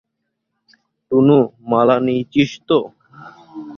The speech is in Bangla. টুনু, মালা নিইচিস তো?